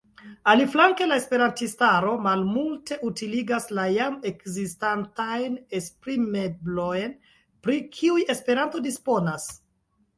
Aliflanke la esperantistaro malmulte utiligas la jam ekzistantajn esprim-eblojn, pri kiuj Esperanto disponas.